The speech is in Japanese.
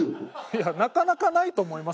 いやなかなかないと思いますよ